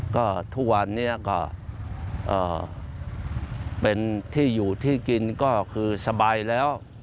ก็ทุกวันนี้ก็เป็นที่อยู่ที่กินก็คือสบายแล้ว